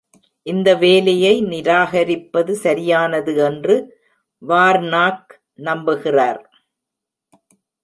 இந்த வேலையை நிராகரிப்பது சரியானது என்று வார்னாக் நம்புகிறார்.